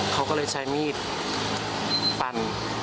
เขาก็เลยใช้มีดฟัน